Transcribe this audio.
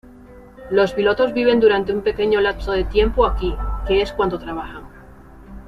Los pilotos viven durante un pequeño lapso de tiempo aquí, que es cuando trabajan.